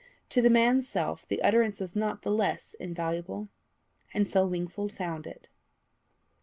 To the man's self, the utterance is not the less invaluable. And so Wingfold found it.